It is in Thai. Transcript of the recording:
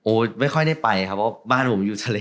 โอ้ยยยยยไม่ค่อยได้ไปครับบ้านผมอยู่ทะเล